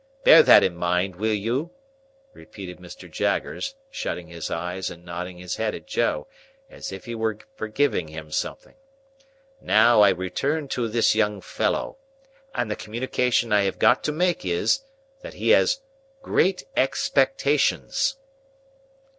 Bear that in mind, will you?" repeated Mr. Jaggers, shutting his eyes and nodding his head at Joe, as if he were forgiving him something. "Now, I return to this young fellow. And the communication I have got to make is, that he has great expectations."